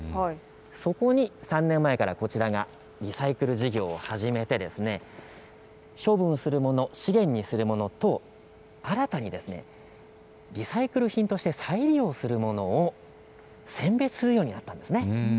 そこに３年前からこちらがリサイクル事業を始めて処分するもの、資源にするものとを新たにリサイクル品として再利用するものを選別するようになったんです。